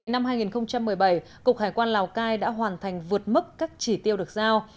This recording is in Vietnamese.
năm hai nghìn một mươi bảy cục hải quan lào cai đã hoàn thành vượt mức các chỉ tiêu được giao